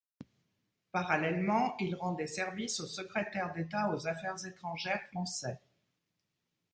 Parallèlement il rend des services au secrétaire d'État aux Affaires étrangères français.